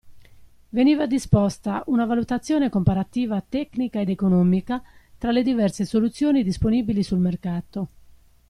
Veniva disposta, una valutazione comparativa tecnica ed economica tra le diverse soluzioni disponibili sul mercato.